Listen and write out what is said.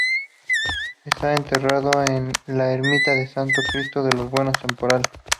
Está enterrada en la ermita del Santo Cristo de los Buenos Temporales.